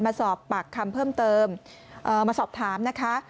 มาสอบปากคำเพิ่มเติมมาสอบถามนะคะ